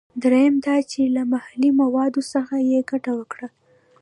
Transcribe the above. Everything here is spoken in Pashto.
دریم دا چې له محلي موادو څخه یې ګټه وکړه.